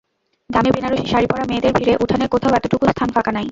দামি বেনারসী শাড়ি-পরা মেয়েদের ভিড়ে উঠানের কোথাও এতটুকু স্থান ফাঁকা নাই।